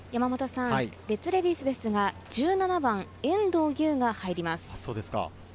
レッズレディースですか、１７番・遠藤が入ります。